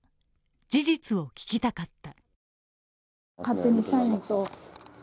事実を聞きたかった。